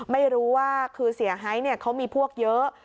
ไม่รู้ว่าคือเสียหายเขามีพวกเยอะ